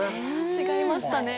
違いましたね。